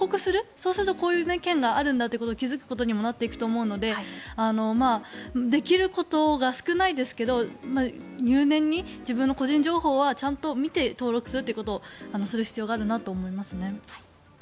そうすると、こういう件があることに気付くことにもなっていくと思うのでできることが少ないですけど入念に自分の個人情報はちゃんと見て登録することをする必要があるなと思いますね。